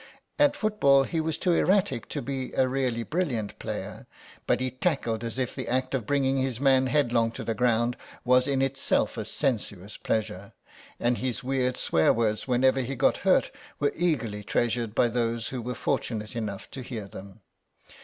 At football he was too erratic to be a really brilliant player, but he tackled as if the act of bringing his man headlong to the ground was in itself a sensuous pleasure, and his weird swear words whenever he got hurt were eagerly treasured by those who were fortunate enough to hear them.